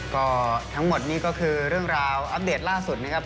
ก็ทั้งหมดนี่ก็คือเรื่องราวอัปเดตล่าสุดนะครับ